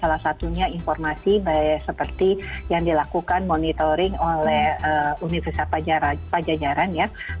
salah satunya informasi seperti yang dilakukan monitoring oleh universitas pajajaran ya